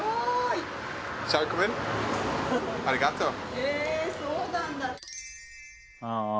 へぇそうなんだ。